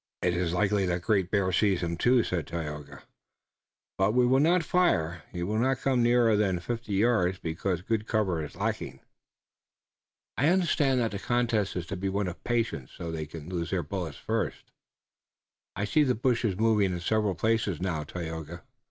"It is likely that Great Bear sees him, too," said Tayoga, "but we will not fire. He will not come nearer than fifty yards, because good cover is lacking." "I understand that the contest is to be one of patience. So they can loose their bullets first. I see the bushes moving in several places now, Tayoga."